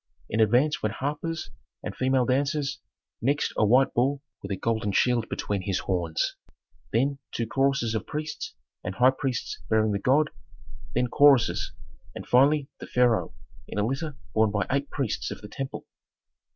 In advance went harpers and female dancers, next a white bull with a golden shield between his horns, then two choruses of priests and high priests bearing the god, then choruses, and finally the pharaoh in a litter borne by eight priests of the temple.